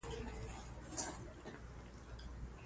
زده کړه نجونو ته د صادراتو او وارداتو پوهه ورکوي.